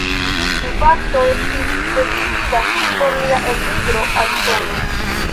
Tiu fakto estis decida por lia elmigro al Usono.